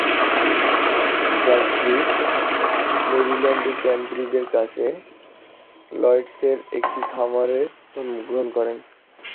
Radcliffe মেরিল্যান্ডের ক্যামব্রিজের কাছে লয়েডসের একটি খামারে জন্মগ্রহণ করেন।